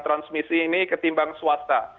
transmisi ini ketimbang swasta